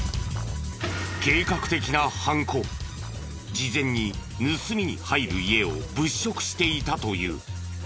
事前に盗みに入る家を物色していたという。